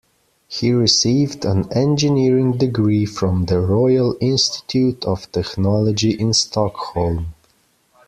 He received an engineering degree from the Royal Institute of Technology in Stockholm.